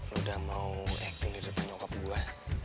lo udah mau acting di depan nyokap gue